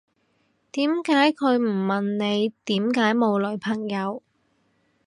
佢點解唔問你點解冇女朋友